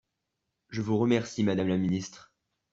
Je vous remercie, madame la ministre